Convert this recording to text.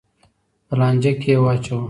په لانجه کې یې واچوه.